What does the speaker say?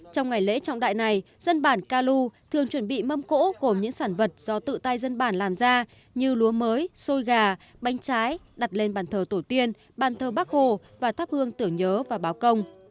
trong ngày lễ trọng đại này dân bản ca lu thường chuẩn bị mâm cỗ gồm những sản vật do tự tay dân bản làm ra như lúa mới xôi gà bánh trái đặt lên bàn thờ tổ tiên bàn thờ bác hồ và thắp hương tưởng nhớ và báo công